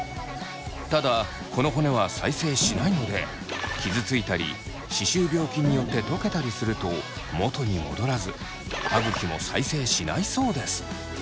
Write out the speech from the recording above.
ただこの骨は再生しないので傷ついたり歯周病菌によって溶けたりすると元に戻らず歯ぐきも再生しないそうです。